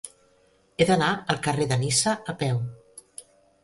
He d'anar al carrer de Niça a peu.